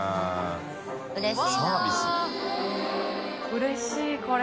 うれしいこれ。